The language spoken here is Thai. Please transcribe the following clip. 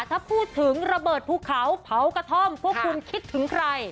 ถ้าพูดถึงระเบิดภูเขาเผากระท่อมพวกคุณคิดถึงใคร